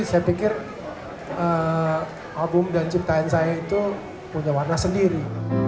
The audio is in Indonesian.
saya pikir album dan ciptaan saya itu punya warna sendiri